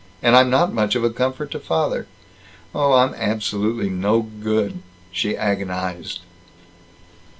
And I'm not much of a comfort to father. Oh, I'm absolutely no good," she agonized.